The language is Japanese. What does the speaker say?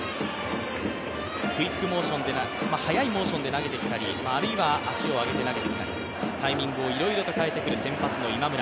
クイックモーション、速いモーションで投げてきたり、あるいは足を上げて投げてきたり、タイミングをいろいろと変えてくる先発の今村。